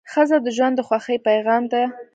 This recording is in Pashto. ښځه د ژوند د خوښۍ پېغام ده.